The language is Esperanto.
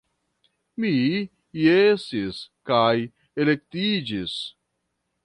Mi jesis, kaj elektiĝis.